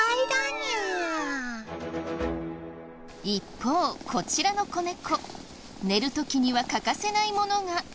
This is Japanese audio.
一方こちらの子猫寝る時には欠かせないものが。